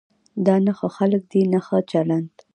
دا نه ښه خلک دي نه ښه چلند.